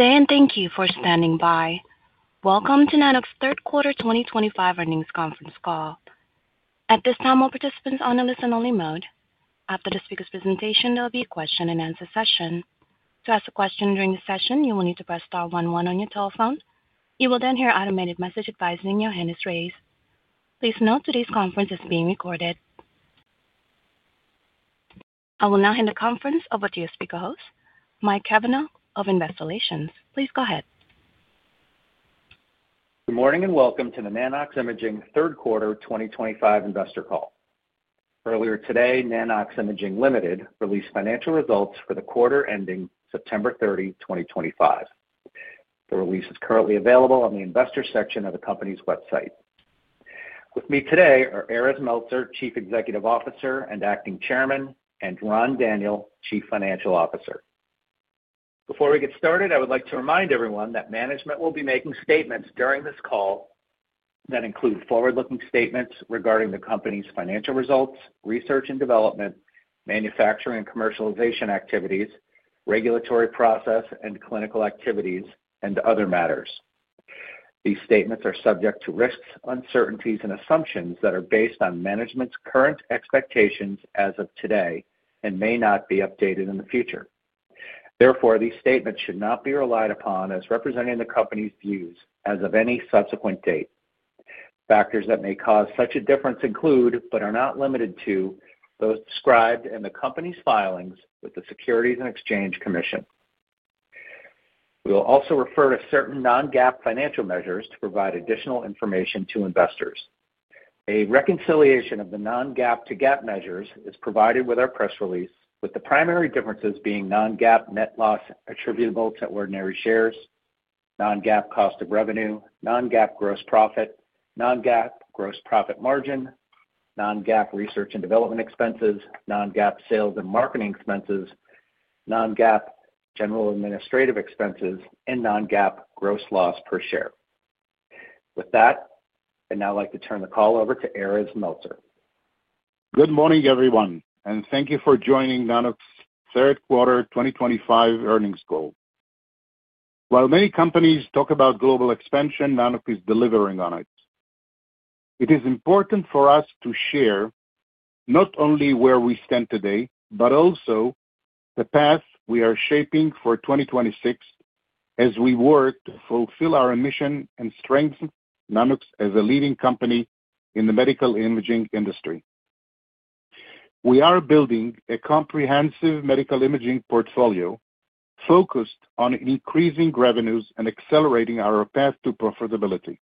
Today, and thank you for standing by. Welcome to Nanox Third Quarter 2025 Earnings Conference Call. At this time, all participants are on a listen-only mode. After the speaker's presentation, there will be a question-and-answer session. To ask a question during the session, you will need to press star 11 on your telephone. You will then hear automated message advising your hand is raised. Please note, today's conference is being recorded. I will now hand the conference over to your speaker host, Mike Cavanaugh, of Investor Relations. Please go ahead. Good morning and welcome to the Nano-X Imaging Third Quarter 2025 Investor Call. Earlier today, Nano-X Imaging released financial results for the quarter ending September 30, 2025. The release is currently available on the Investor section of the company's website. With me today are Erez Meltzer, Chief Executive Officer and Acting Chairman, and Ran Daniel, Chief Financial Officer. Before we get started, I would like to remind everyone that management will be making statements during this call that include forward-looking statements regarding the company's financial results, research and development, manufacturing and commercialization activities, regulatory process, and clinical activities, and other matters. These statements are subject to risks, uncertainties, and assumptions that are based on management's current expectations as of today and may not be updated in the future. Therefore, these statements should not be relied upon as representing the company's views as of any subsequent date. Factors that may cause such a difference include, but are not limited to, those described in the company's filings with the Securities and Exchange Commission. We will also refer to certain non-GAAP financial measures to provide additional information to investors. A reconciliation of the non-GAAP to GAAP measures is provided with our press release, with the primary differences being non-GAAP net loss attributable to ordinary shares, non-GAAP cost of revenue, non-GAAP gross profit, non-GAAP gross profit margin, non-GAAP research and development expenses, non-GAAP sales and marketing expenses, non-GAAP general administrative expenses, and non-GAAP gross loss per share. With that, I'd now like to turn the call over to Erez Meltzer. Good morning, everyone, and thank you for joining Nanox Third Quarter 2025 earnings call. While many companies talk about global expansion, Nanox is delivering on it. It is important for us to share not only where we stand today, but also the path we are shaping for 2026 as we work to fulfill our mission and strengthen Nanox as a leading company in the medical imaging industry. We are building a comprehensive medical imaging portfolio focused on increasing revenues and accelerating our path to profitability.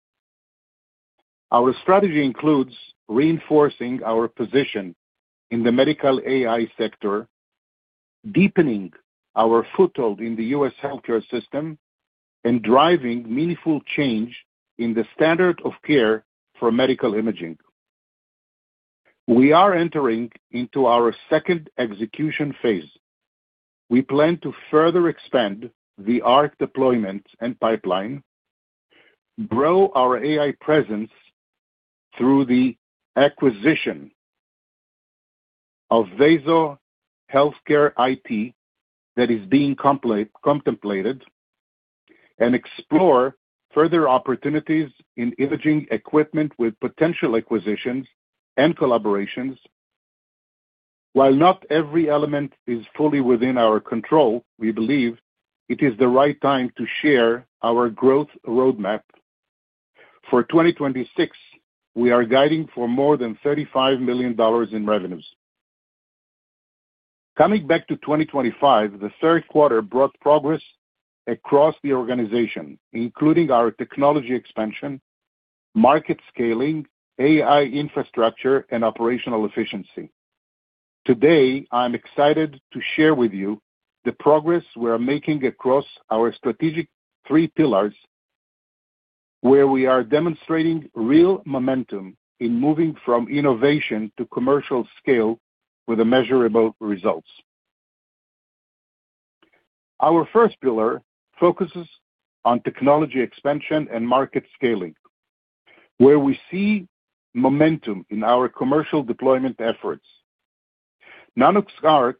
Our strategy includes reinforcing our position in the medical AI sector, deepening our foothold in the U.S. healthcare system, and driving meaningful change in the standard of care for medical imaging. We are entering into our second execution phase. We plan to further expand the ARC deployment and pipeline, grow our AI presence through the acquisition of VasoHealthcare IT that is being contemplated, and explore further opportunities in imaging equipment with potential acquisitions and collaborations. While not every element is fully within our control, we believe it is the right time to share our growth roadmap. For 2026, we are guiding for more than $35 million in revenues. Coming back to 2025, the third quarter brought progress across the organization, including our technology expansion, market scaling, AI infrastructure, and operational efficiency. Today, I'm excited to share with you the progress we are making across our strategic three pillars, where we are demonstrating real momentum in moving from innovation to commercial scale with measurable results. Our first pillar focuses on technology expansion and market scaling, where we see momentum in our commercial deployment efforts. Nanox.ARC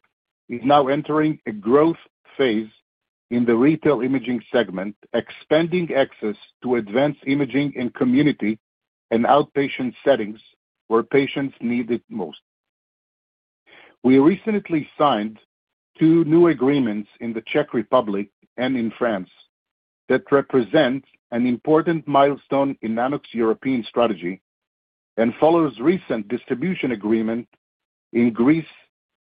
is now entering a growth phase in the retail imaging segment, expanding access to advanced imaging in community and outpatient settings where patients need it most. We recently signed two new agreements in the Czech Republic and in France that represent an important milestone in Nanox European strategy and follow recent distribution agreements in Greece and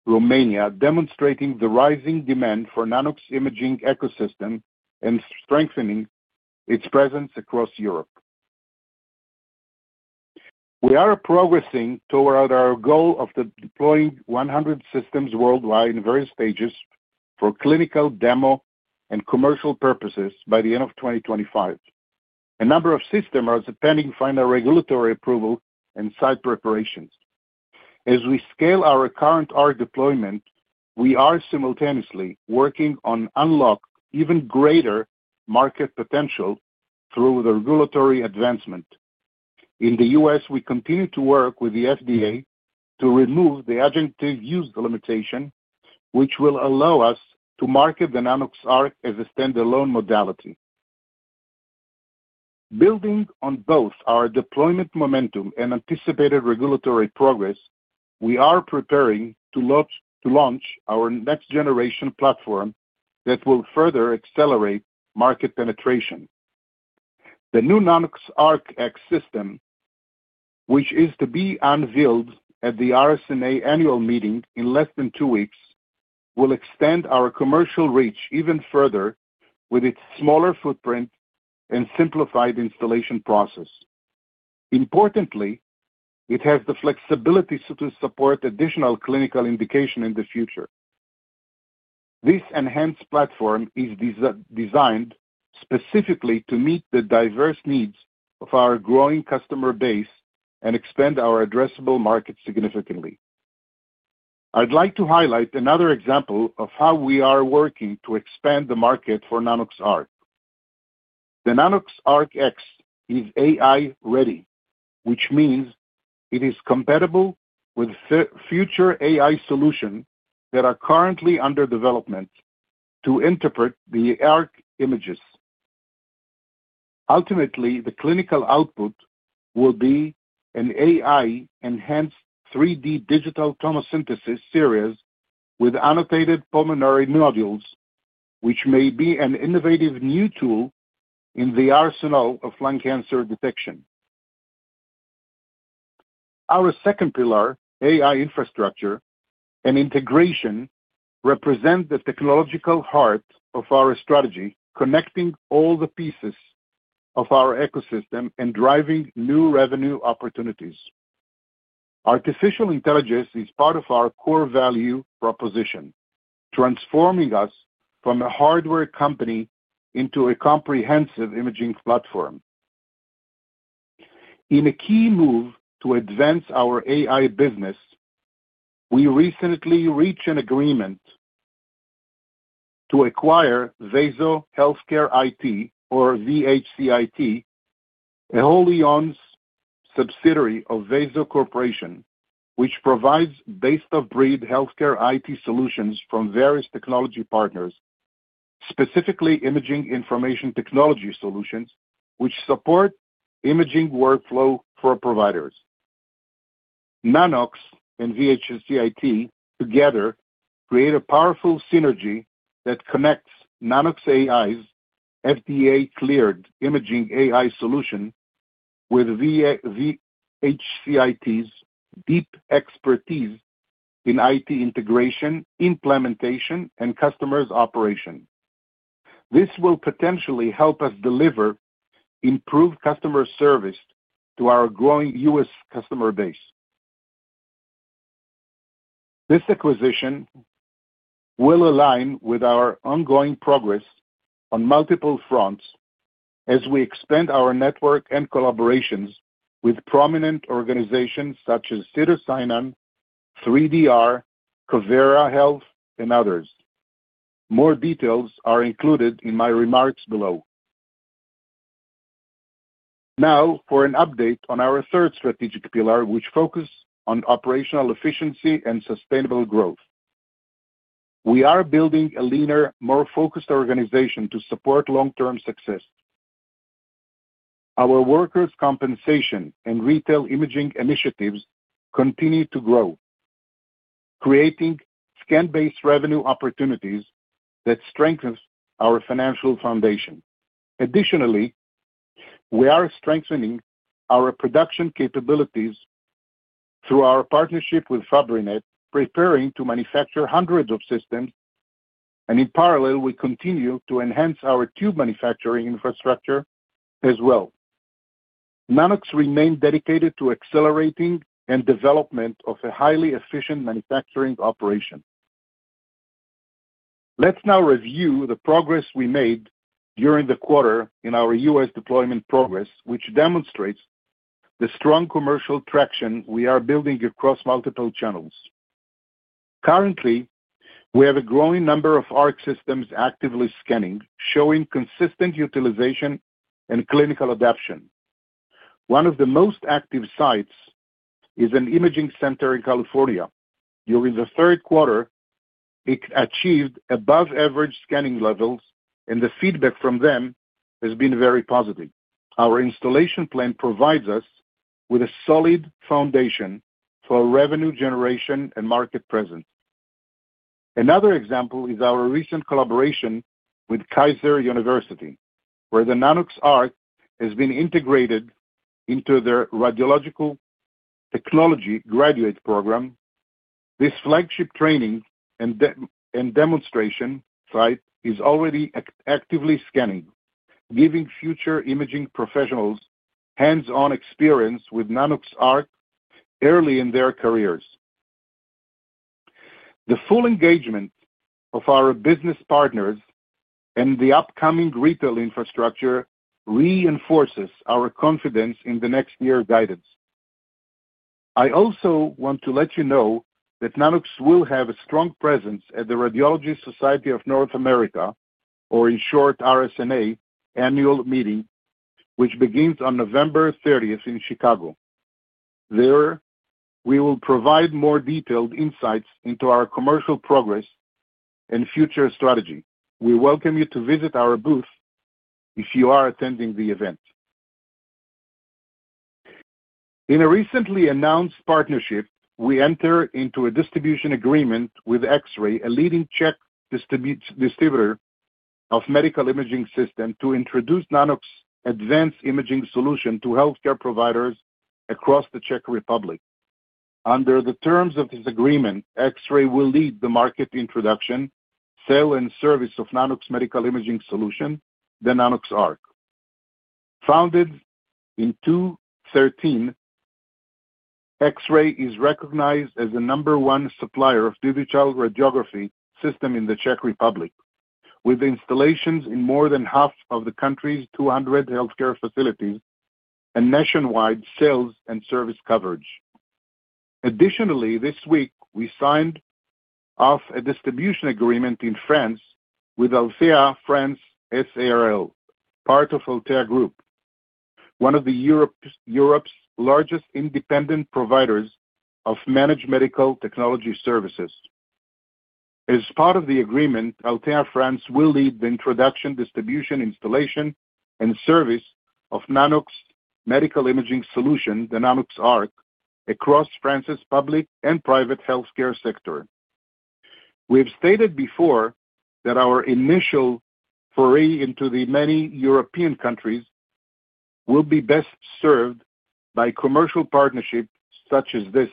Romania, demonstrating the rising demand for Nano-X imaging ecosystem and strengthening its presence across Europe. We are progressing toward our goal of deploying 100 systems worldwide in various stages for clinical demo and commercial purposes by the end of 2025. A number of systems are pending final regulatory approval and site preparations. As we scale our current ARC deployment, we are simultaneously working on unlocking even greater market potential through the regulatory advancement. In the U.S., we continue to work with the FDA to remove the adjunctive use limitation, which will allow us to market the Nanox.ARC as a standalone modality. Building on both our deployment momentum and anticipated regulatory progress, we are preparing to launch our next-generation platform that will further accelerate market penetration. The new Nanox.ARC X system, which is to be unveiled at the RSNA annual meeting in less than two weeks, will extend our commercial reach even further with its smaller footprint and simplified installation process. Importantly, it has the flexibility to support additional clinical indication in the future. This enhanced platform is designed specifically to meet the diverse needs of our growing customer base and expand our addressable market significantly. I'd like to highlight another example of how we are working to expand the market for Nanox.ARC. The Nanox.ARC X is AI-ready, which means it is compatible with future AI solutions that are currently under development to interpret the ARC images. Ultimately, the clinical output will be an AI-enhanced 3D digital tomosynthesis series with annotated pulmonary nodules, which may be an innovative new tool in the arsenal of lung cancer detection. Our second pillar, AI infrastructure and integration, represents the technological heart of our strategy, connecting all the pieces of our ecosystem and driving new revenue opportunities. Artificial intelligence is part of our core value proposition, transforming us from a hardware company into a comprehensive imaging platform. In a key move to advance our AI business, we recently reached an agreement to acquire VasoHealthcare IT, or VHCIT, a wholly owned subsidiary of Vaso Corporation, which provides best-of-breed healthcare IT solutions from various technology partners, specifically imaging information technology solutions which support imaging workflow for providers. Nanox and VHCIT together create a powerful synergy that connects Nanox.AI's FDA-cleared imaging AI solution with VHCIT's deep expertise in IT integration, implementation, and customer operation. This will potentially help us deliver improved customer service to our growing U.S. customer base. This acquisition will align with our ongoing progress on multiple fronts as we expand our network and collaborations with prominent organizations such as Cedars-Sinai, 3DR Labs, Covera Health, and others. More details are included in my remarks below. Now, for an update on our third strategic pillar, which focuses on operational efficiency and sustainable growth. We are building a leaner, more focused organization to support long-term success. Our workers' compensation and retail imaging initiatives continue to grow, creating scan-based revenue opportunities that strengthen our financial foundation. Additionally, we are strengthening our production capabilities through our partnership with Fabrinet, preparing to manufacture hundreds of systems, and in parallel, we continue to enhance our tube manufacturing infrastructure as well. Nanox remains dedicated to accelerating and development of a highly efficient manufacturing operation. Let's now review the progress we made during the quarter in our U.S. deployment progress, which demonstrates the strong commercial traction we are building across multiple channels. Currently, we have a growing number of ARC systems actively scanning, showing consistent utilization and clinical adoption. One of the most active sites is an imaging center in California. During the third quarter, it achieved above-average scanning levels, and the feedback from them has been very positive. Our installation plan provides us with a solid foundation for revenue generation and market presence. Another example is our recent collaboration with Keiser University, where the Nanox.ARC has been integrated into their radiological technology graduate program. This flagship training and demonstration site is already actively scanning, giving future imaging professionals hands-on experience with Nanox.ARC early in their careers. The full engagement of our business partners and the upcoming retail infrastructure reinforces our confidence in the next year's guidance. I also want to let you know that Nanox will have a strong presence at the Radiological Society of North America, or in short, RSNA, annual meeting, which begins on November 30 in Chicago. There, we will provide more detailed insights into our commercial progress and future strategy. We welcome you to visit our booth if you are attending the event. In a recently announced partnership, we enter into a distribution agreement with X-ray s.r.o., a leading Czech distributor of medical imaging systems, to introduce Nanox advanced imaging solutions to healthcare providers across the Czech Republic. Under the terms of this agreement, X-ray s.r.o. will lead the market introduction, sale, and service of Nanox medical imaging solutions, the Nanox.ARC. Founded in 2013, X-ray s.r.o. is recognized as the number one supplier of digital radiography systems in the Czech Republic, with installations in more than half of the country's 200 healthcare facilities and nationwide sales and service coverage. Additionally, this week, we signed off a distribution agreement in France with Altea France SARL, part of Altea Group, one of Europe's largest independent providers of managed medical technology services. As part of the agreement, Altea France will lead the introduction, distribution, installation, and service of Nanox medical imaging solutions, the Nanox.ARC, across France's public and private healthcare sector. We have stated before that our initial foray into the many European countries will be best served by commercial partnerships such as this,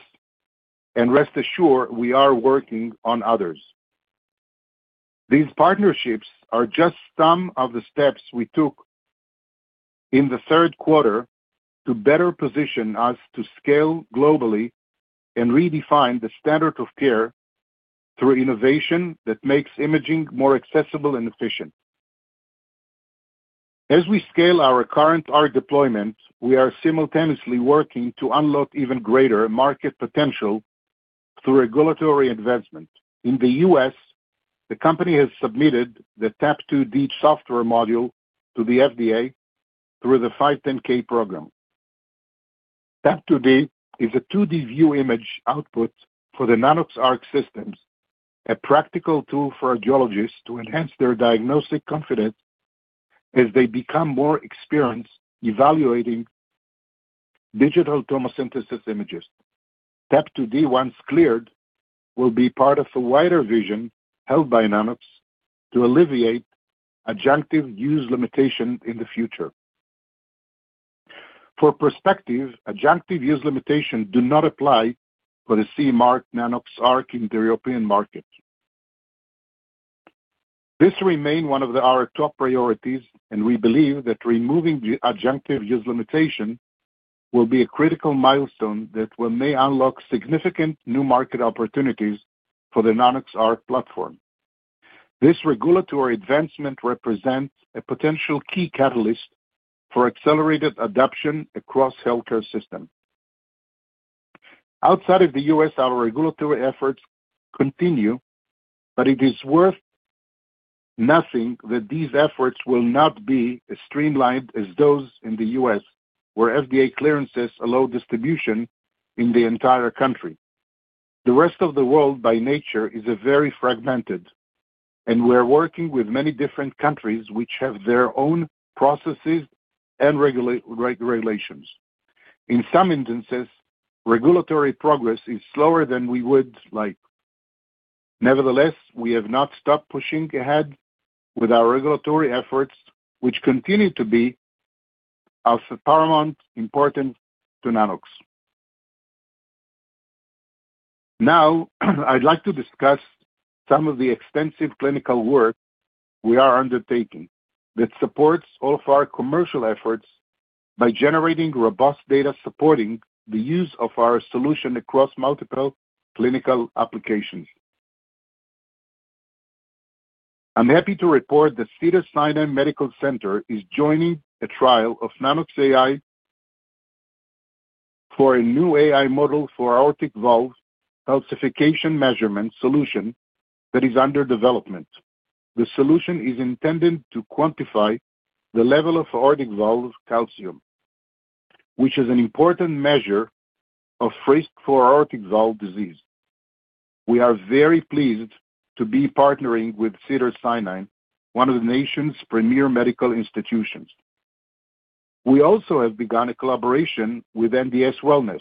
and rest assured, we are working on others. These partnerships are just some of the steps we took in the third quarter to better position us to scale globally and redefine the standard of care through innovation that makes imaging more accessible and efficient. As we scale our current ARC deployment, we are simultaneously working to unlock even greater market potential through regulatory advancement. In the U.S., the company has submitted the TAP2D software module to the FDA through the 510(k) program. TAP2D is a 2D view image output for the Nanox.ARC systems, a practical tool for radiologists to enhance their diagnostic confidence as they become more experienced evaluating digital tomosynthesis images. TAP2D, once cleared, will be part of a wider vision held by Nanox to alleviate adjunctive use limitations in the future. For perspective, adjunctive use limitations do not apply for the CE-mark Nanox.ARC in the European market. This remains one of our top priorities, and we believe that removing adjunctive use limitations will be a critical milestone that may unlock significant new market opportunities for the Nanox.ARC platform. This regulatory advancement represents a potential key catalyst for accelerated adoption across healthcare systems. Outside of the U.S., our regulatory efforts continue, but it is worth noting that these efforts will not be as streamlined as those in the U.S., where FDA clearances allow distribution in the entire country. The rest of the world, by nature, is very fragmented, and we are working with many different countries, which have their own processes and regulations. In some instances, regulatory progress is slower than we would like. Nevertheless, we have not stopped pushing ahead with our regulatory efforts, which continue to be of paramount importance to Nanox. Now, I'd like to discuss some of the extensive clinical work we are undertaking that supports all of our commercial efforts by generating robust data supporting the use of our solution across multiple clinical applications. I'm happy to report that Cedars-Sinai Medical Center is joining a trial of Nanox.AI for a new AI model for aortic valve calcification measurement solution that is under development. The solution is intended to quantify the level of aortic valve calcium, which is an important measure of risk for aortic valve disease. We are very pleased to be partnering with Cedars-Sinai, one of the nation's premier medical institutions. We also have begun a collaboration with NDS Wellness,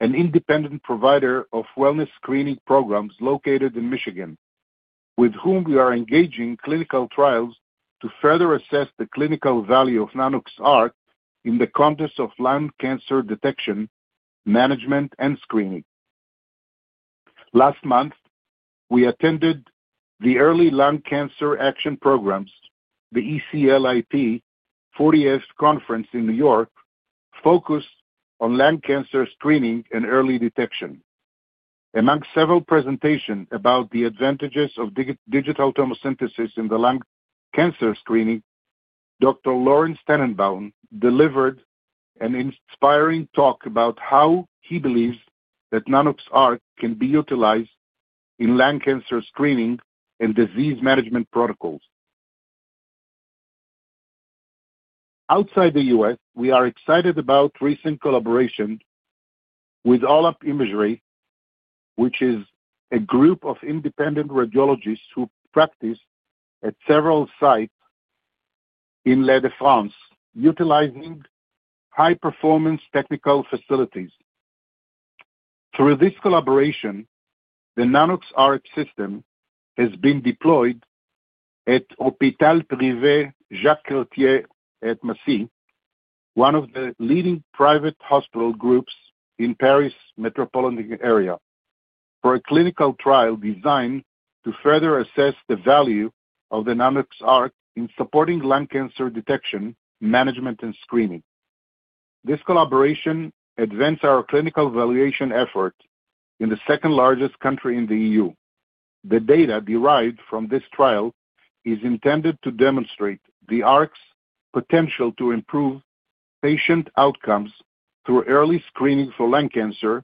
an independent provider of wellness screening programs located in Michigan, with whom we are engaging in clinical trials to further assess the clinical value of Nanox.ARC in the context of lung cancer detection, management, and screening. Last month, we attended the Early Lung Cancer Action Program, the ECLIP 40th Conference in New York, focused on lung cancer screening and early detection. Among several presentations about the advantages of digital tomosynthesis in the lung cancer screening, Dr. Lawrence Tenenbaum delivered an inspiring talk about how he believes that Nanox.ARC can be utilized in lung cancer screening and disease management protocols. Outside the U.S., we are excited about recent collaboration with All-Up Imagery, which is a group of independent radiologists who practice at several sites in La Défense, utilizing high-performance technical facilities. Through this collaboration, the Nanox.ARC system has been deployed at Hôpital Privé Jacques Cartier at Massy, one of the leading private hospital groups in the Paris metropolitan area, for a clinical trial designed to further assess the value of the Nanox.ARC in supporting lung cancer detection, management, and screening. This collaboration advances our clinical evaluation effort in the second-largest country in the EU. The data derived from this trial is intended to demonstrate the ARC's potential to improve patient outcomes through early screening for lung cancer,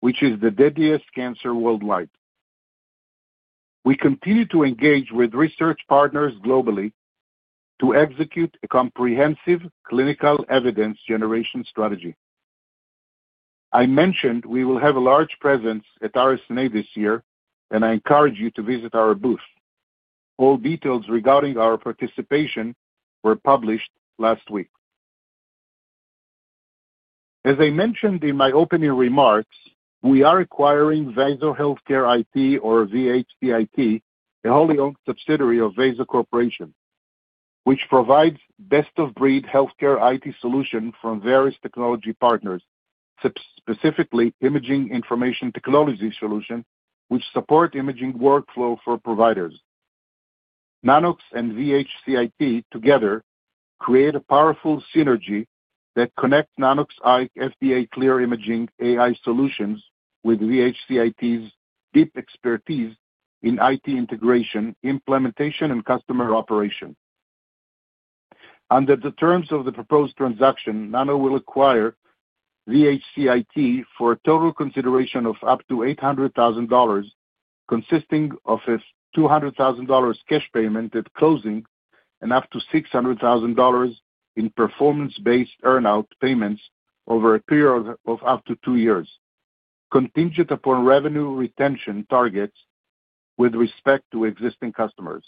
which is the deadliest cancer worldwide. We continue to engage with research partners globally to execute a comprehensive clinical evidence generation strategy. I mentioned we will have a large presence at RSNA this year, and I encourage you to visit our booth. All details regarding our participation were published last week. As I mentioned in my opening remarks, we are acquiring VasoHealthcare IT, or VHCIT, a wholly-owned subsidiary of Vaso Corporation, which provides best-of-breed healthcare IT solutions from various technology partners, specifically imaging information technology solutions which support imaging workflows for providers. Nanox and VHCIT together create a powerful synergy that connects Nanox FDA clear imaging AI solutions with VHCIT's deep expertise in IT integration, implementation, and customer operation. Under the terms of the proposed transaction, Nano will acquire VCHIT for a total consideration of up to $800,000, consisting of a $200,000 cash payment at closing and up to $600,000 in performance-based earnout payments over a period of up to two years, contingent upon revenue retention targets with respect to existing customers.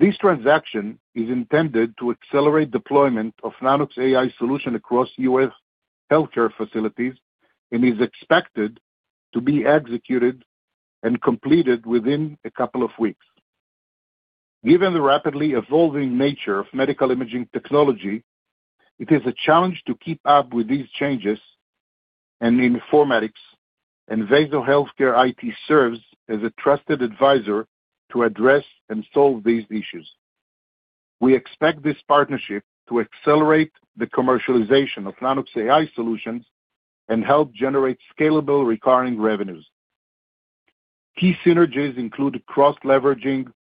This transaction is intended to accelerate the deployment of Nanox.AI solutions across U.S. healthcare facilities and is expected to be executed and completed within a couple of weeks. Given the rapidly evolving nature of medical imaging technology, it is a challenge to keep up with these changes, and Informatics and VasoHealthcare IT serve as a trusted advisor to address and solve these issues. We expect this partnership to accelerate the commercialization of Nanox.AI solutions and help generate scalable recurring revenues. Key synergies include cross-leveraging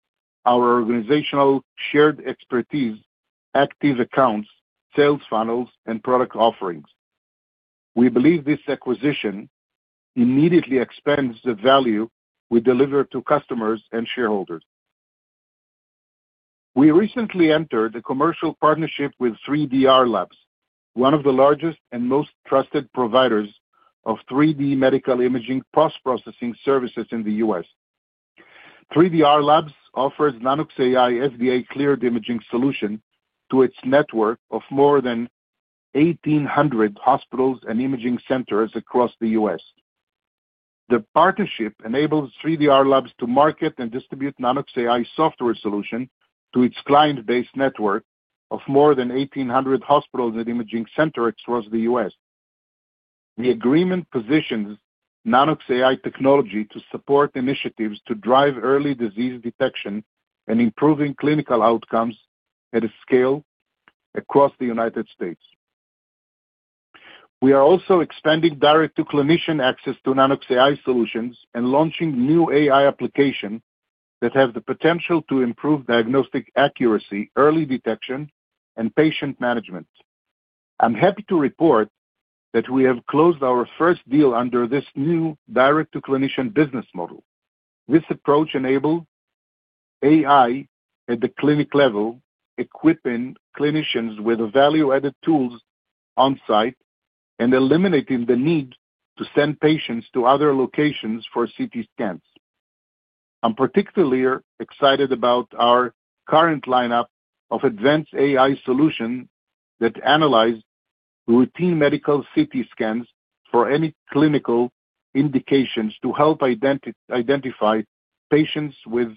our organizational shared expertise, active accounts, sales funnels, and product offerings. We believe this acquisition immediately expands the value we deliver to customers and shareholders. We recently entered a commercial partnership with 3DR Labs, one of the largest and most trusted providers of 3D medical imaging post-processing services in the U.S. 3DR Labs offers Nanox.AI FDA cleared imaging solutions to its network of more than 1,800 hospitals and imaging centers across the U.S. The partnership enables 3DR Labs to market and distribute Nanox.AI software solutions to its client-based network of more than 1,800 hospitals and imaging centers across the U.S. The agreement positions Nanox.AI technology to support initiatives to drive early disease detection and improving clinical outcomes at a scale across the United States. We are also expanding direct-to-clinician access to Nanox.AI solutions and launching new AI applications that have the potential to improve diagnostic accuracy, early detection, and patient management. I'm happy to report that we have closed our first deal under this new direct-to-clinician business model. This approach enables AI at the clinic level, equipping clinicians with value-added tools on-site and eliminating the need to send patients to other locations for CT scans. I'm particularly excited about our current lineup of advanced AI solutions that analyze routine medical CT scans for any clinical indications to help identify patients with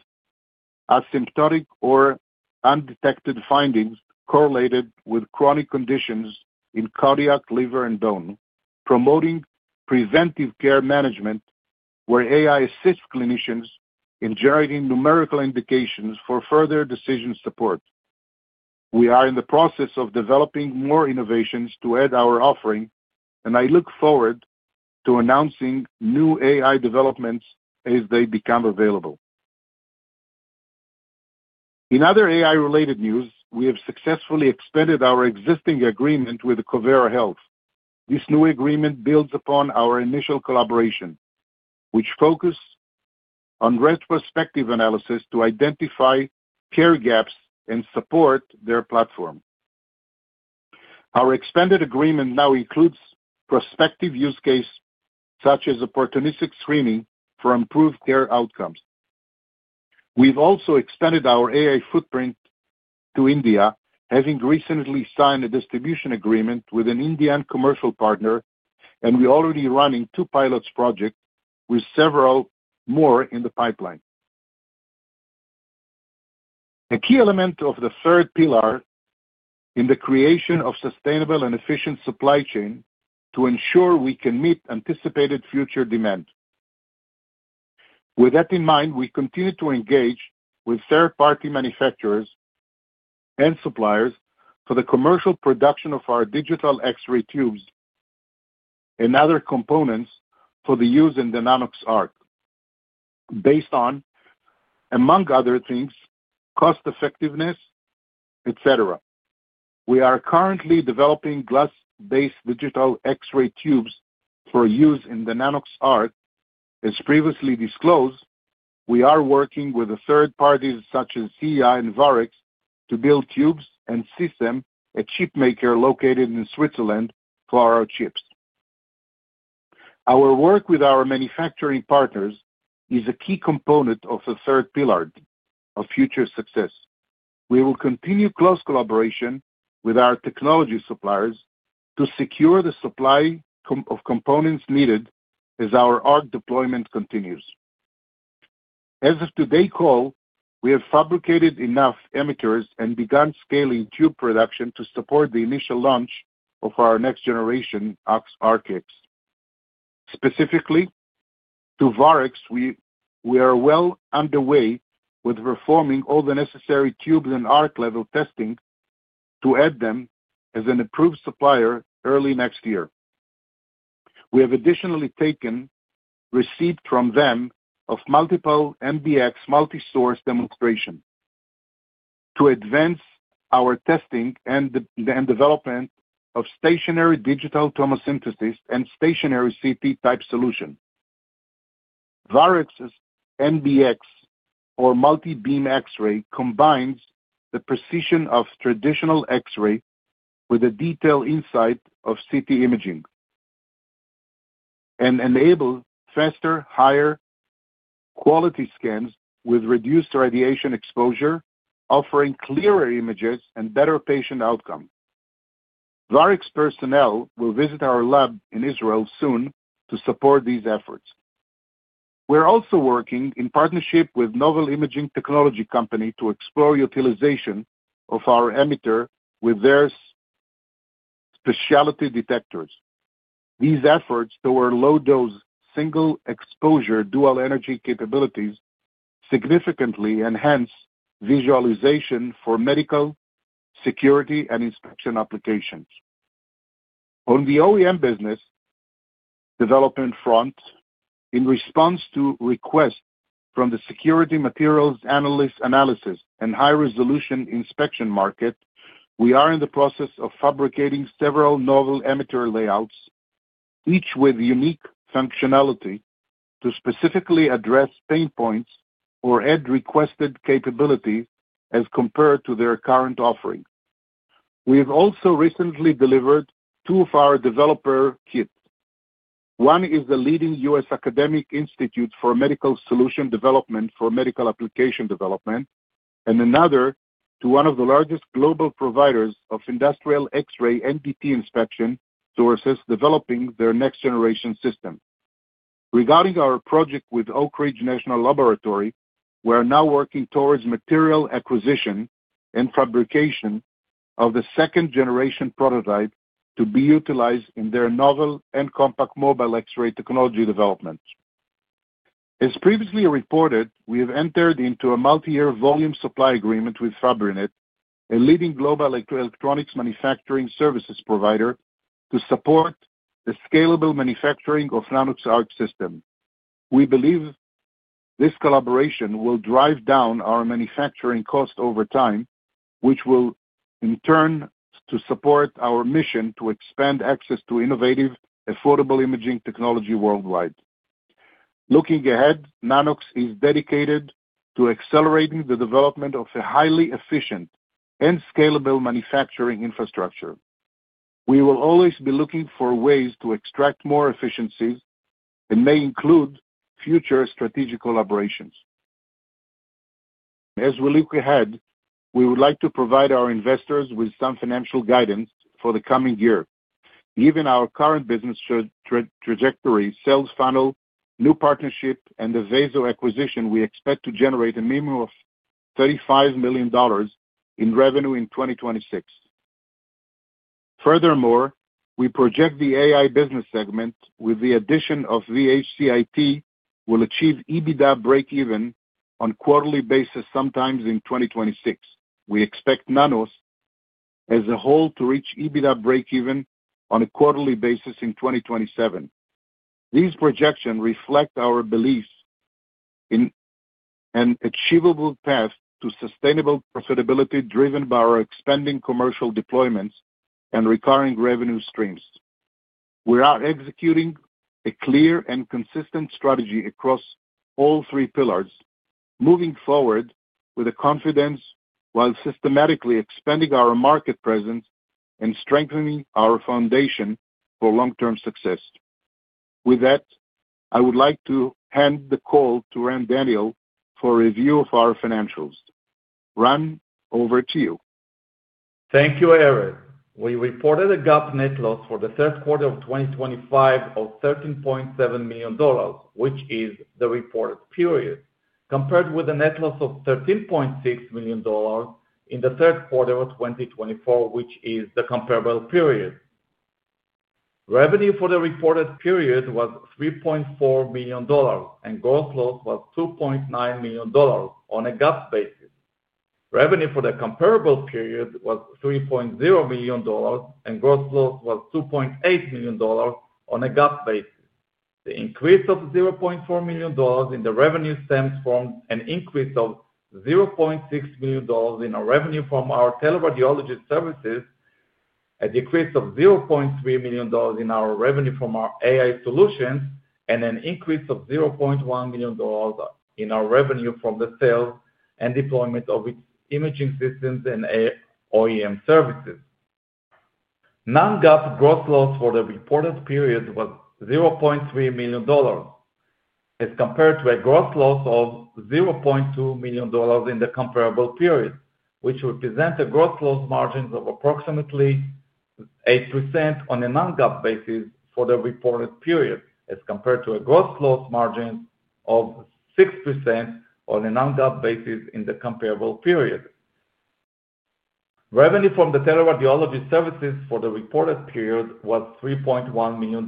asymptomatic or undetected findings correlated with chronic conditions in cardiac, liver, and bone, promoting preventive care management where AI assists clinicians in generating numerical indications for further decision support. We are in the process of developing more innovations to add to our offering, and I look forward to announcing new AI developments as they become available. In other AI-related news, we have successfully expanded our existing agreement with Covera Health. This new agreement builds upon our initial collaboration, which focuses on retrospective analysis to identify care gaps and support their platform. Our expanded agreement now includes prospective use cases such as opportunistic screening for improved care outcomes. We've also expanded our AI footprint to India, having recently signed a distribution agreement with an Indian commercial partner, and we're already running two pilot projects, with several more in the pipeline. A key element of the third pillar is the creation of a sustainable and efficient supply chain to ensure we can meet anticipated future demand. With that in mind, we continue to engage with third-party manufacturers and suppliers for the commercial production of our digital X-ray tubes and other components for the use in the Nanox.ARC, based on, among other things, cost-effectiveness, etc. We are currently developing glass-based digital X-ray tubes for use in the Nanox.ARC. As previously disclosed, we are working with third parties such as CIA and Varex to build tubes and systems at a chipmaker located in Switzerland for our chips. Our work with our manufacturing partners is a key component of the third pillar of future success. We will continue close collaboration with our technology suppliers to secure the supply of components needed as our ARC deployment continues. As of today's call, we have fabricated enough emitters and begun scaling tube production to support the initial launch of our next-generation ARC kit. Specifically, to Varex, we are well underway with performing all the necessary tubes and ARC-level testing to add them as an approved supplier early next year. We have additionally received from them multiple MBX multi-source demonstrations to advance our testing and development of stationary digital tomosynthesis and stationary CT-type solutions. Varex's MBX, or multi-beam X-ray, combines the precision of traditional X-ray with the detailed insight of CT imaging and enables faster, higher-quality scans with reduced radiation exposure, offering clearer images and better patient outcomes. Varex personnel will visit our lab in Israel soon to support these efforts. We're also working in partnership with a novel imaging technology company to explore the utilization of our emitter with their specialty detectors. These efforts toward low-dose single-exposure dual-energy capabilities significantly enhance visualization for medical security and inspection applications. On the OEM business development front, in response to requests from the security materials analyst analysis and high-resolution inspection market, we are in the process of fabricating several novel emitter layouts, each with unique functionality, to specifically address pain points or add requested capabilities as compared to their current offering. We have also recently delivered two of our developer kits. One is a leading U.S. academic institute for medical solution development for medical application development, and another to one of the largest global providers of industrial X-ray NDT inspection to assist developing their next-generation system. Regarding our project with Oak Ridge National Laboratory, we are now working towards material acquisition and fabrication of the second-generation prototype to be utilized in their novel and compact mobile X-ray technology development. As previously reported, we have entered into a multi-year volume supply agreement with Fabrinet, a leading global electronics manufacturing services provider, to support the scalable manufacturing of Nanox.ARC systems. We believe this collaboration will drive down our manufacturing costs over time, which will, in turn, support our mission to expand access to innovative, affordable imaging technology worldwide. Looking ahead, Nanox is dedicated to accelerating the development of a highly efficient and scalable manufacturing infrastructure. We will always be looking for ways to extract more efficiencies and may include future strategic collaborations. As we look ahead, we would like to provide our investors with some financial guidance for the coming year. Given our current business trajectory, sales funnel, new partnership, and the Vaso acquisition, we expect to generate a minimum of $35 million in revenue in 2026. Furthermore, we project the AI business segment, with the addition of VHCIT, will achieve EBITDA break-even on a quarterly basis sometime in 2026. We expect Nanox, as a whole, to reach EBITDA break-even on a quarterly basis in 2027. These projections reflect our belief in an achievable path to sustainable profitability driven by our expanding commercial deployments and recurring revenue streams. We are executing a clear and consistent strategy across all three pillars, moving forward with confidence while systematically expanding our market presence and strengthening our foundation for long-term success. With that, I would like to hand the call to Ran Daniel for review of our financials. Ran, over to you. Thank you, Erez. We reported a GAAP net loss for the third quarter of 2025 of $13.7 million, which is the reported period, compared with a net loss of $13.6 million in the third quarter of 2024, which is the comparable period. Revenue for the reported period was $3.4 million, and gross loss was $2.9 million on a GAAP basis. Revenue for the comparable period was $3.0 million, and gross loss was $2.8 million on a GAAP basis. The increase of $0.4 million in the revenue stems from an increase of $0.6 million in our revenue from our teleradiology services, a decrease of $0.3 million in our revenue from our AI solutions, and an increase of $0.1 million in our revenue from the sales and deployment of its imaging systems and OEM services. Non-GAAP gross loss for the reported period was $0.3 million, as compared to a gross loss of $0.2 million in the comparable period, which represents a gross loss margin of approximately 8% on a non-GAAP basis for the reported period, as compared to a gross loss margin of 6% on a non-GAAP basis in the comparable period. Revenue from the teleradiology services for the reported period was $3.1 million,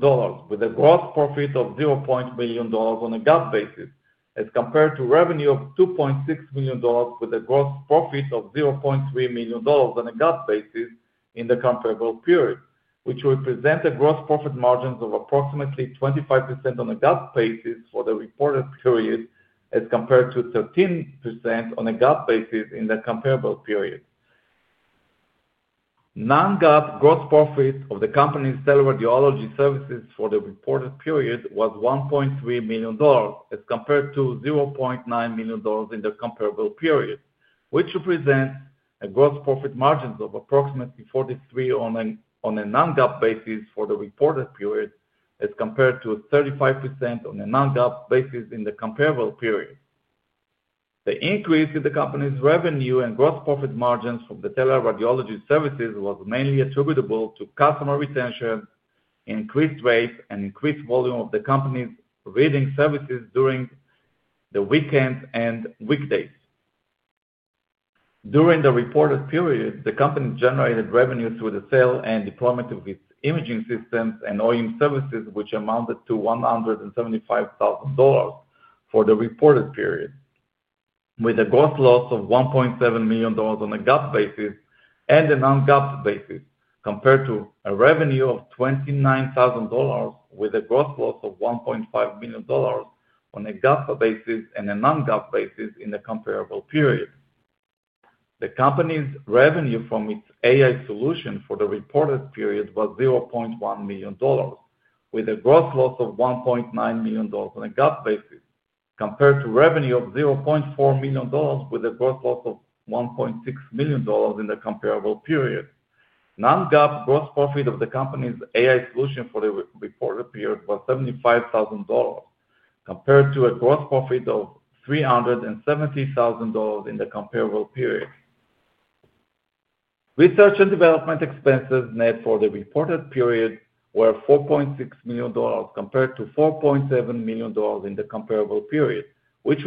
with a gross profit of $0.1 million on a GAAP basis, as compared to revenue of $2.6 million with a gross profit of $0.3 million on a GAAP basis in the comparable period, which represents a gross profit margin of approximately 25% on a GAAP basis for the reported period, as compared to 13% on a GAAP basis in the comparable period. Non-GAAP gross profit of the company's teleradiology services for the reported period was $1.3 million, as compared to $0.9 million in the comparable period, which represents a gross profit margin of approximately 43% on a non-GAAP basis for the reported period, as compared to 35% on a non-GAAP basis in the comparable period. The increase in the company's revenue and gross profit margins from the teleradiology services was mainly attributable to customer retention, increased rates, and increased volume of the company's reading services during the weekends and weekdays. During the reported period, the company generated revenue through the sale and deployment of its imaging systems and OEM services, which amounted to $175,000 for the reported period, with a gross loss of $1.7 million on a GAAP basis and a non-GAAP basis, compared to a revenue of $29,000 with a gross loss of $1.5 million on a GAAP basis and a non-GAAP basis in the comparable period. The company's revenue from its AI solution for the reported period was $0.1 million, with a gross loss of $1.9 million on a GAAP basis, compared to revenue of $0.4 million with a gross loss of $1.6 million in the comparable period. Non-GAAP gross profit of the company's AI solution for the reported period was $75,000, compared to a gross profit of $370,000 in the comparable period. Research and development expenses net for the reported period were $4.6 million compared to $4.7 million in the comparable period, which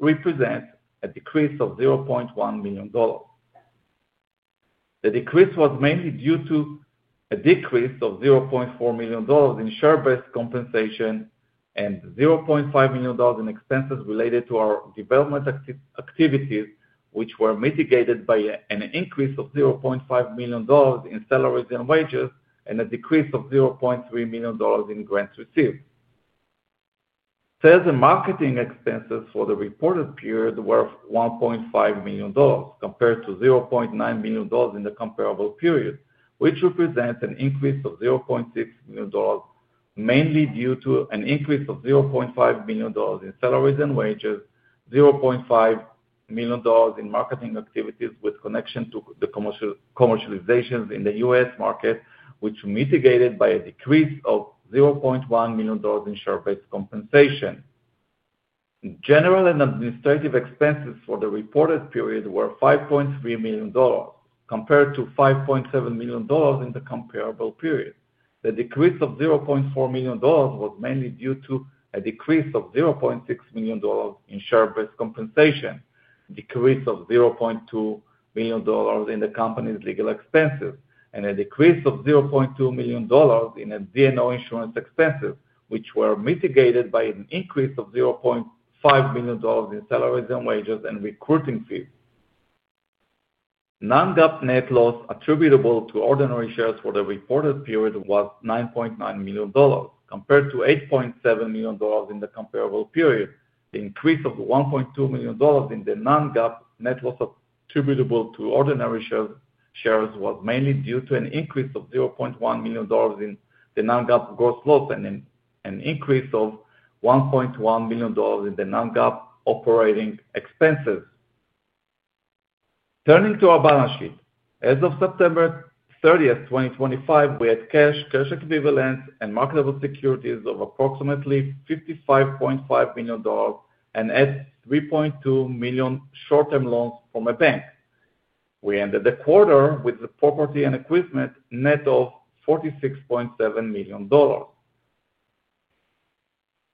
represents a decrease of $0.1 million. The decrease was mainly due to a decrease of $0.4 million in share-based compensation and $0.5 million in expenses related to our development activities, which were mitigated by an increase of $0.5 million in salaries and wages and a decrease of $0.3 million in grants received. Sales and marketing expenses for the reported period were $1.5 million, compared to $0.9 million in the comparable period, which represents an increase of $0.6 million, mainly due to an increase of $0.5 million in salaries and wages, $0.5 million in marketing activities with connection to the commercializations in the U.S. market, which were mitigated by a decrease of $0.1 million in share-based compensation. General and administrative expenses for the reported period were $5.3 million, compared to $5.7 million in the comparable period. The decrease of $0.4 million was mainly due to a decrease of $0.6 million in share-based compensation, a decrease of $0.2 million in the company's legal expenses, and a decrease of $0.2 million in D&O insurance expenses, which were mitigated by an increase of $0.5 million in salaries and wages and recruiting fees. Non-GAAP net loss attributable to ordinary shares for the reported period was $9.9 million, compared to $8.7 million in the comparable period. The increase of $1.2 million in the non-GAAP net loss attributable to ordinary shares was mainly due to an increase of $0.1 million in the non-GAAP gross loss and an increase of $1.1 million in the non-GAAP operating expenses. Turning to our balance sheet, as of September 30, 2025, we had cash, cash equivalents, and marketable securities of approximately $55.5 million and had $3.2 million short-term loans from a bank. We ended the quarter with the property and equipment net of $46.7 million.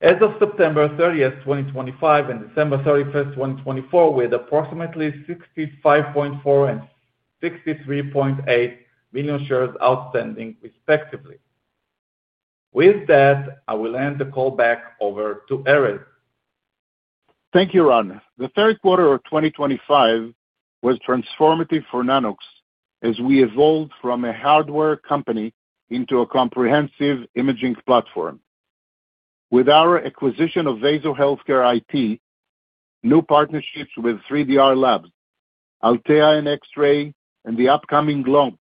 As of September 30, 2025, and December 31, 2024, we had approximately 65.4 and 63.8 million shares outstanding, respectively. With that, I will end the call back over to Erez. Thank you, Ran. The third quarter of 2025 was transformative for Nanox as we evolved from a hardware company into a comprehensive imaging platform. With our acquisition of VasoHealthcare IT, new partnerships with 3DR Labs, Altea in X-ray, and the upcoming launch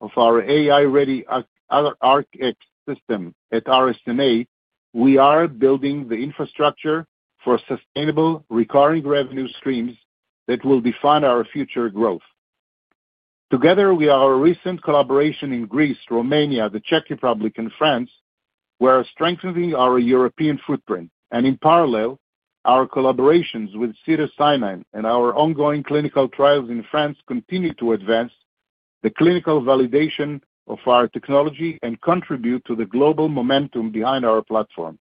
of our AI-ready ARC X system at RSNA, we are building the infrastructure for sustainable recurring revenue streams that will define our future growth. Together, we are a recent collaboration in Greece, Romania, the Czech Republic, and France, where strengthening our European footprint. In parallel, our collaborations with Cytosine and our ongoing clinical trials in France continue to advance the clinical validation of our technology and contribute to the global momentum behind our platform.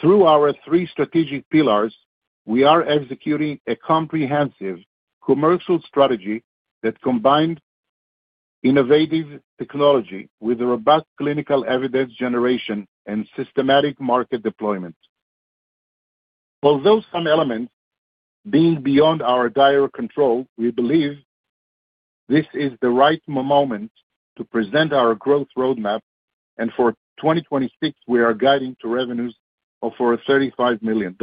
Through our three strategic pillars, we are executing a comprehensive commercial strategy that combines innovative technology with robust clinical evidence generation and systematic market deployment. Although some elements are beyond our dire control, we believe this is the right moment to present our growth roadmap, and for 2026, we are guiding to revenues of $35 million.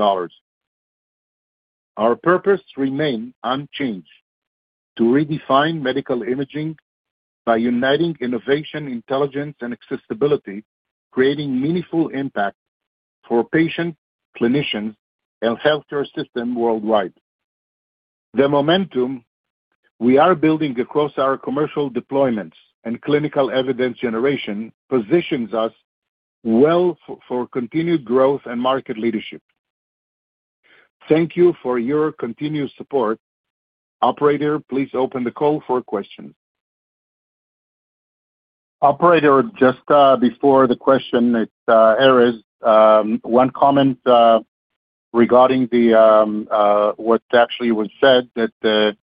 Our purpose remains unchanged: to redefine medical imaging by uniting innovation, intelligence, and accessibility, creating meaningful impact for patients, clinicians, and healthcare systems worldwide. The momentum we are building across our commercial deployments and clinical evidence generation positions us well for continued growth and market leadership. Thank you for your continued support. Operator, please open the call for questions. Operator, just before the question, it's Erez. One comment regarding what actually was said, that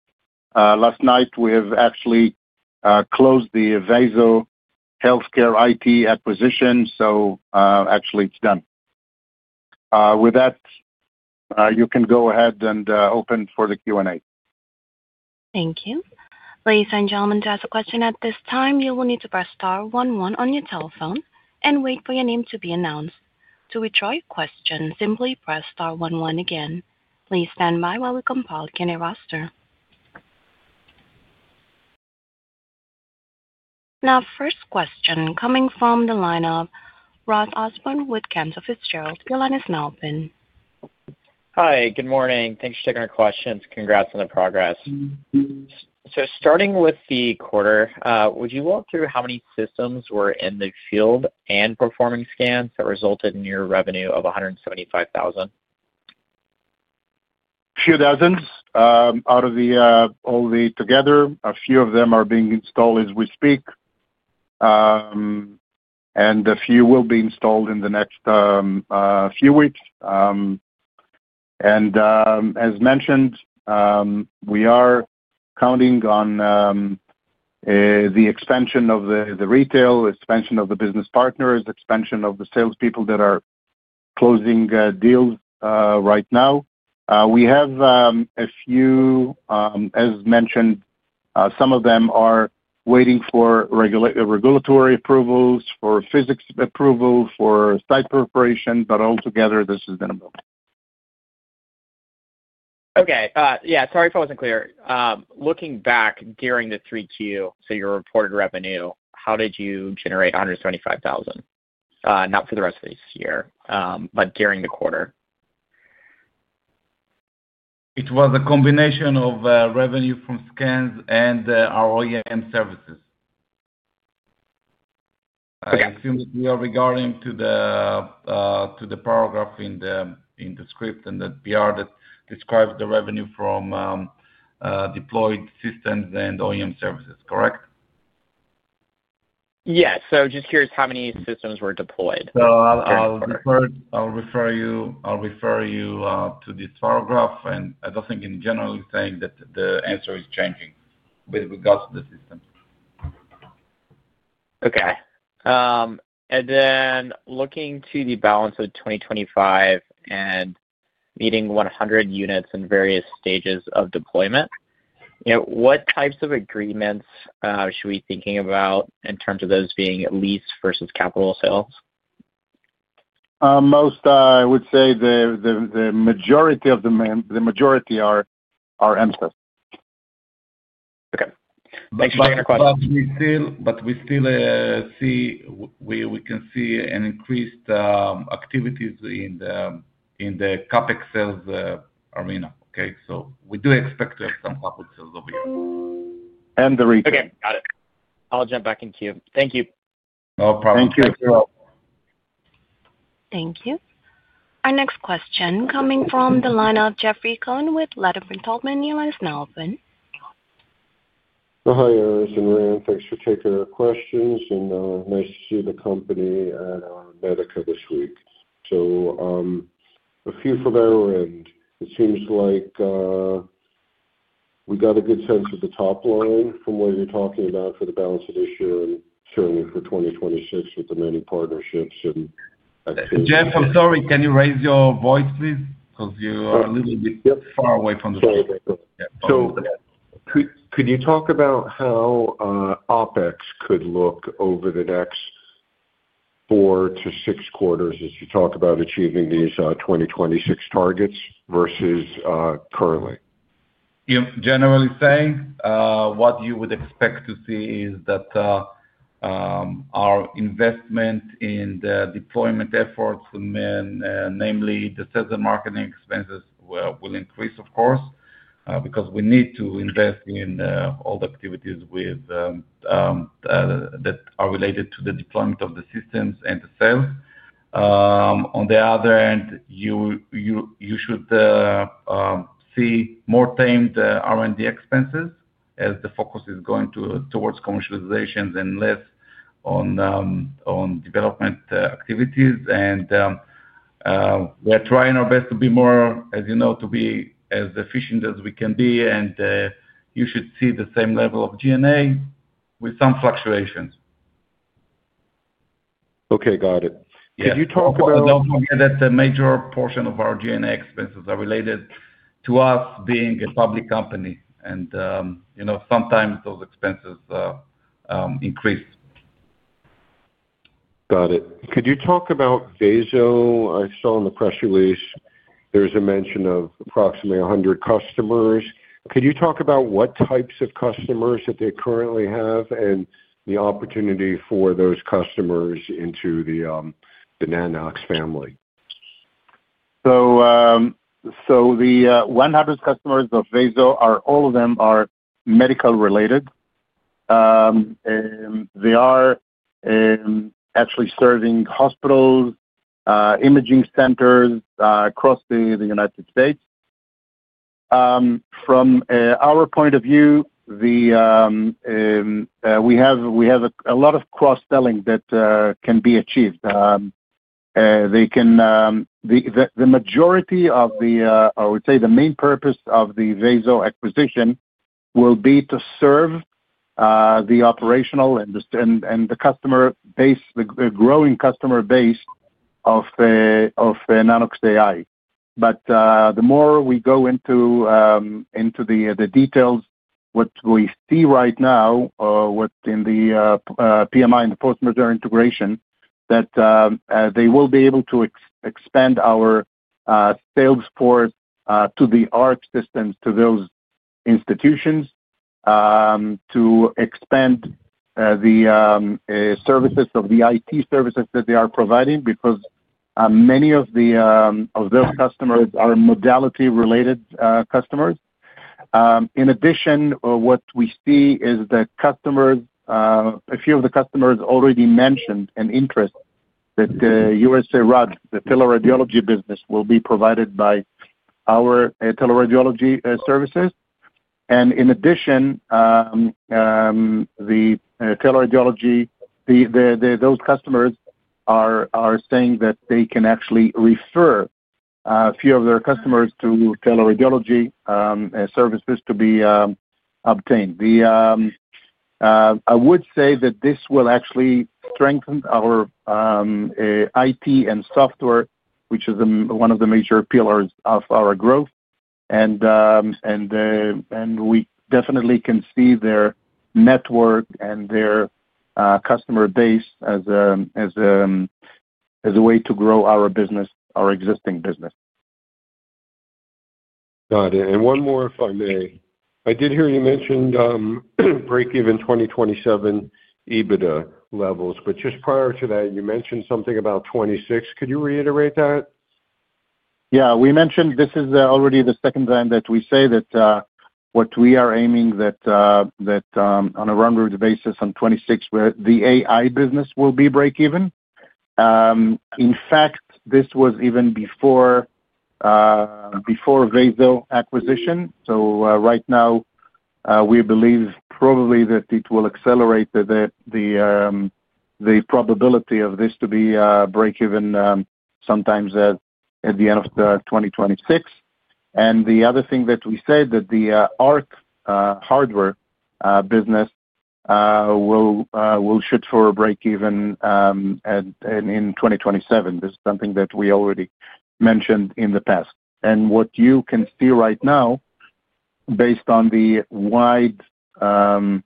last night we have actually closed the VasoHealthcare IT acquisition, so actually it's done. With that, you can go ahead and open for the Q&A. Thank you. Ladies and gentlemen, to ask a question at this time, you will need to press star 11 on your telephone and wait for your name to be announced. To withdraw your question, simply press star 11 again. Please stand by while we compile the Q&A roster. Now, first question coming from the line of Ross Osborn with Cantor Fitzgerald your line is now open. Hi, good morning. Thanks for taking our questions. Congrats on the progress. Starting with the quarter, would you walk through how many systems were in the field and performing scans that resulted in your revenue of $175,000? A few dozens out of all the together. A few of them are being installed as we speak, and a few will be installed in the next few weeks. As mentioned, we are counting on the expansion of the retail, expansion of the business partners, expansion of the salespeople that are closing deals right now. We have a few, as mentioned, some of them are waiting for regulatory approvals, for physics approvals, for site preparation, but altogether, this has been a moment. Okay. Yeah, sorry if I wasn't clear. Looking back during the three Q, your reported revenue, how did you generate $175,000? Not for the rest of this year, but during the quarter. It was a combination of revenue from scans and our OEM services. I assume that we are regarding to the paragraph in the script and the PR that describes the revenue from deployed systems and OEM services, correct? Yes. Just curious how many systems were deployed. I'll refer you to this paragraph, and I don't think in general we're saying that the answer is changing with regards to the system. Okay. Looking to the balance of 2025 and meeting 100 units in various stages of deployment, what types of agreements should we be thinking about in terms of those being lease versus capital sales? Most, I would say the majority of the majority are MSES. Okay. Thanks for the question. We still see we can see an increased activity in the CapEx sales arena. Okay? We do expect to have some CapEx sales over here. And the retail. Okay. Got it. I'll jump back in queue. Thank you. No problem. Thank you. Our next question coming from the line of Jeffrey Cohen with Ladenburg Thalmann, your line is now open. Hi, Erez and Ran, thanks for taking our questions, and nice to see the company and our Medica this week. A few for them, and it seems like we got a good sense of the top line from what you're talking about for the balance of this year and certainly for 2026 with the many partnerships and activities. Jeff, I'm sorry. Can you raise your voice, please? Because you are a little bit far away from the screen. Could you talk about how OpEx could look over the next four to six quarters as you talk about achieving these 2026 targets versus currently? Generally saying, what you would expect to see is that our investment in the deployment efforts, namely the sales and marketing expenses, will increase, of course, because we need to invest in all the activities that are related to the deployment of the systems and the sales. On the other hand, you should see more tamed R&D expenses as the focus is going towards commercializations and less on development activities. We're trying our best to be more, as you know, to be as efficient as we can be, and you should see the same level of G&A with some fluctuations. Okay. Got it. Could you talk about? Don't forget that a major portion of our G&A expenses are related to us being a public company, and sometimes those expenses increase. Got it. Could you talk about Vaso? I saw in the press release there's a mention of approximately 100 customers. Could you talk about what types of customers that they currently have and the opportunity for those customers into the Nanox family? The 100 customers of Vaso, all of them are medical-related, and they are actually serving hospitals, imaging centers across the United States. From our point of view, we have a lot of cross-selling that can be achieved. The majority of the, I would say, the main purpose of the Vaso acquisition will be to serve the operational and the customer base, the growing customer base of Nanox.AI. The more we go into the details, what we see right now, what's in the PMI and the post-merger integration, is that they will be able to expand our sales force to the ARC systems, to those institutions, to expand the services of the IT services that they are providing because many of those customers are modality-related customers. In addition, what we see is that a few of the customers already mentioned an interest that USARAD, the teleradiology business, will be provided by our teleradiology services. In addition, those customers are saying that they can actually refer a few of their customers to teleradiology services to be obtained. I would say that this will actually strengthen our IT and software, which is one of the major pillars of our growth. We definitely can see their network and their customer base as a way to grow our existing business. Got it. And one more, if I may. I did hear you mentioned break-even 2027 EBITDA levels, but just prior to that, you mentioned something about '26. Could you reiterate that? Yeah. We mentioned this is already the second time that we say that what we are aiming that on a runway basis on 2026, the AI business will be break-even. In fact, this was even before Vaso acquisition. So right now, we believe probably that it will accelerate the probability of this to be break-even sometimes at the end of 2026. And the other thing that we said that the ARC hardware business will shoot for a break-even in 2027. This is something that we already mentioned in the past. What you can see right now, based on the wide and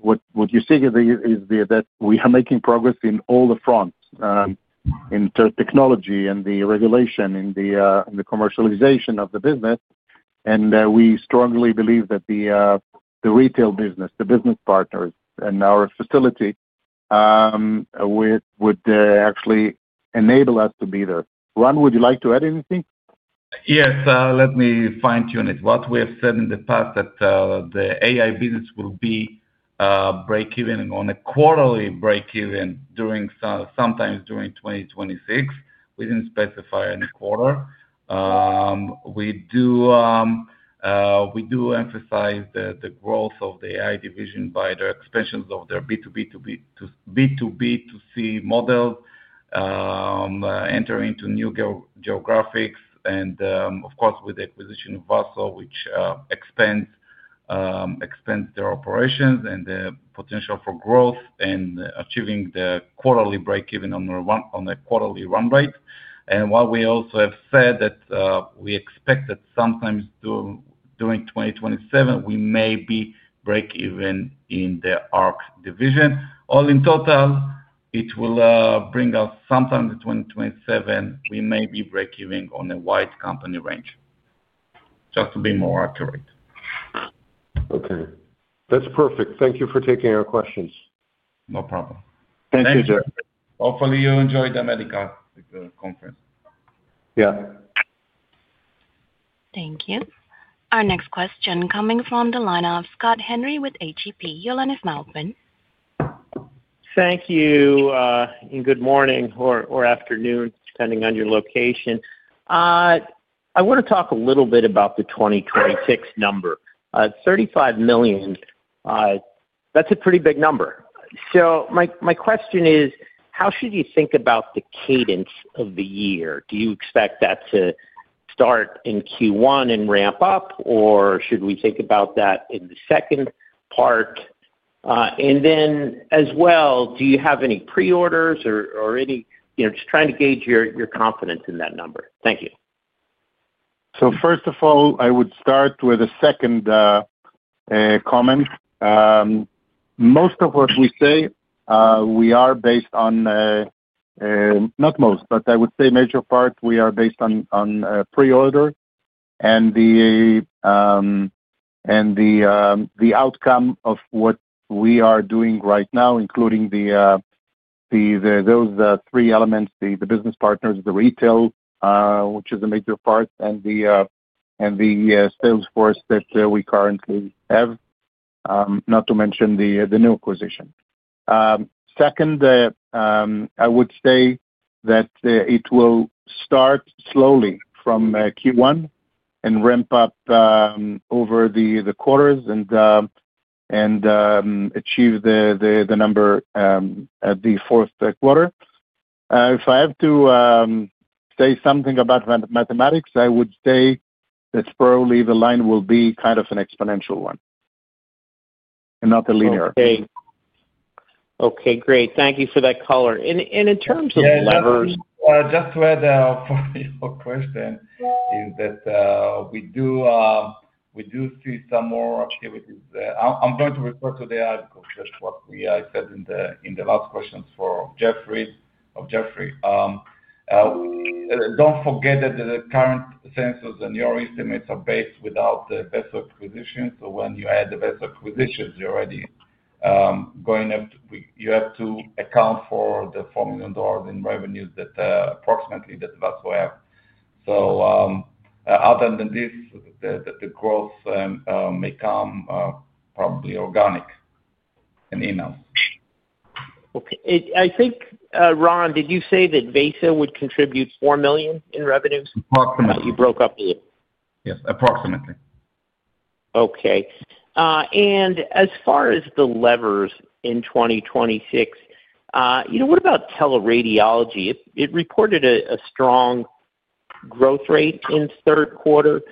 what you see here is that we are making progress in all the fronts in technology and the regulation and the commercialization of the business. We strongly believe that the retail business, the business partners, and our facility would actually enable us to be there. Ran, would you like to add anything? Yes. Let me fine-tune it. What we have said in the past is that the AI business will be break-even on a quarterly break-even sometime during 2026. We did not specify any quarter. We do emphasize the growth of the AI division by the expansions of their B2B to C models, entering into new geographics, and of course, with the acquisition of Vaso, which expands their operations and the potential for growth and achieving the quarterly break-even on a quarterly run rate. While we also have said that we expect that sometime during 2027, we may be break-even in the ARC division. All in total, it will bring us sometime in 2027, we may be break-even on a wide company range, just to be more accurate. Okay. That's perfect. Thank you for taking our questions. No problem. Thank you, Jeff. Hopefully, you enjoyed the Medica conference. Yeah. Thank you. Our next question coming from the line of Scott Henry with AGP, your line is now open. Thank you. And good morning or afternoon, depending on your location. I want to talk a little bit about the 2026 number. $35 million, that's a pretty big number. My question is, how should you think about the cadence of the year? Do you expect that to start in Q1 and ramp up, or should we think about that in the second part? Do you have any pre-orders or any just trying to gauge your confidence in that number? Thank you. First of all, I would start with a second comment. Most of what we say, we are based on, not most, but I would say major part, we are based on pre-order and the outcome of what we are doing right now, including those three elements: the business partners, the retail, which is a major part, and the sales force that we currently have, not to mention the new acquisition. Second, I would say that it will start slowly from Q1 and ramp up over the quarters and achieve the number at the fourth quarter. If I have to say something about mathematics, I would say that probably the line will be kind of an exponential one and not a linear. Okay. Okay. Great. Thank you for that color. In terms of levers, just to add for your question is that we do see some more activities. I am going to refer to the article, just what I said in the last questions for Jeffrey. Do not forget that the current census and your estimates are based without the Vaso acquisition. When you add the Vaso acquisitions, you are already going to have to account for the $4 million in revenues that approximately that Vaso have. Other than this, the growth may come probably organic and in-house. Okay. I think, Ran, did you say that Vaso would contribute $4 million in revenues? Approximately. You broke up a little. Yes. Approximately. Okay. As far as the levers in 2026, what about teleradiology? It reported a strong growth rate in third quarter.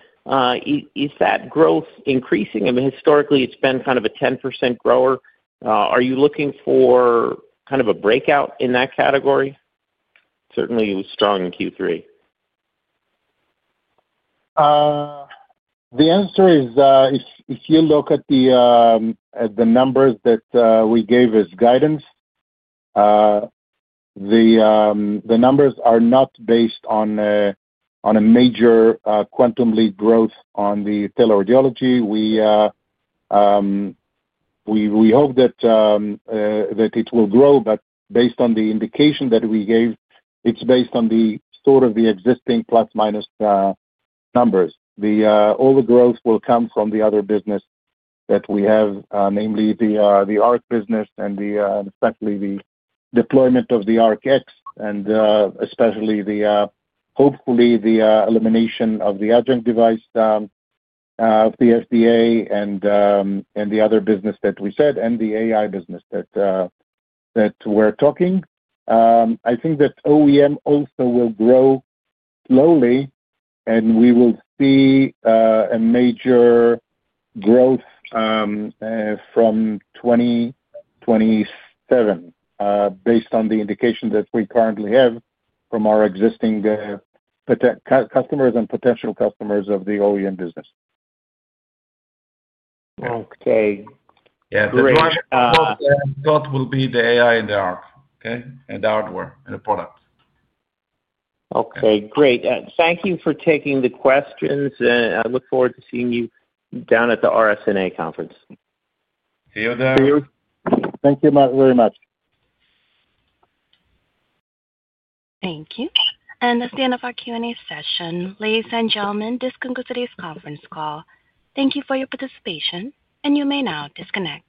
Is that growth increasing? I mean, historically, it's been kind of a 10% grower. Are you looking for kind of a breakout in that category? Certainly, it was strong in Q3. The answer is if you look at the numbers that we gave as guidance, the numbers are not based on a major quantum leap growth on the teleradiology. We hope that it will grow, but based on the indication that we gave, it's based on sort of the existing plus-minus numbers. All the growth will come from the other business that we have, namely the ARC business and especially the deployment of the ARC X, and especially hopefully the elimination of the adjunct device of the FDA and the other business that we said, and the AI business that we're talking. I think that OEM also will grow slowly, and we will see a major growth from 2027 based on the indication that we currently have from our existing customers and potential customers of the OEM business. Okay. Yeah. The thought will be the AI and the ARC, okay, and the hardware and the products. Okay. Great. Thank you for taking the questions, and I look forward to seeing you down at the RSNA conference. See you there. See you. Thank you very much. Thank you. That is the end of our Q&A session. Ladies and gentlemen, this concludes today's conference call. Thank you for your participation, and you may now disconnect.